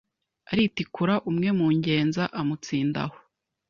aritikura umwe mu ngenza amutsinda aho